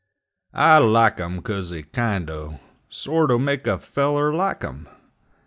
I like 'em 'cause they kindo' Sorto' make a feller like 'em!